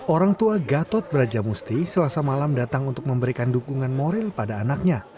orang tua gatot brajamusti selasa malam datang untuk memberikan dukungan moral pada anaknya